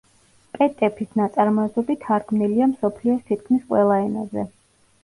პეტეფის ნაწარმოებები თარგმნილია მსოფლიოს თითქმის ყველა ენაზე.